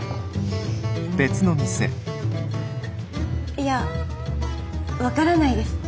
いや分からないです。